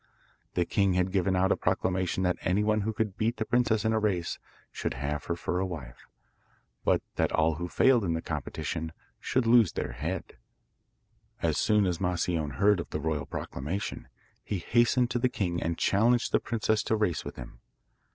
The king had given out a proclamation that anyone who could beat the princess in a race should have her for a wife, but that all who failed in the competition should lose their head. As soon as Moscione heard of the Royal Proclamation, he hastened to the king and challenged the princess to race with him.